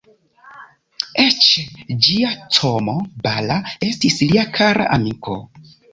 Eĉ Giacomo Balla, estis lia kara amiko.